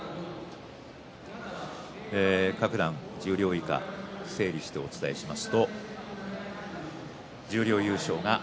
各段十両以下整理してお伝えします。